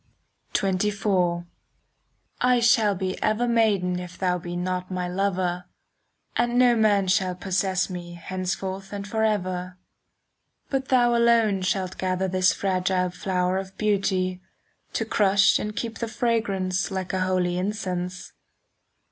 XXIV I shall be ever maiden, If thou be not my lover, And no man shall possess me Henceforth and forever. But thou alone shalt gather 5 This fragile flower of beauty,— To crush and keep the fragrance Like a holy incense.